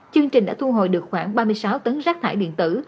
chương trình đã thu hồi được khoảng ba mươi sáu tấn rác thải điện tử